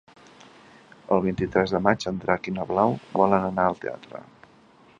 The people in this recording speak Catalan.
El vint-i-tres de maig en Drac i na Blau volen anar al teatre.